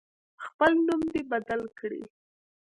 خپل نوم دی بدل کړي.